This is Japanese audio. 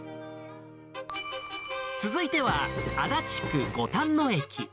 続いては足立区五反野駅。